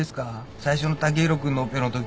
最初の剛洋君のオペのとき。